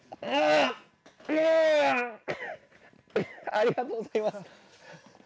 ありがとうございます。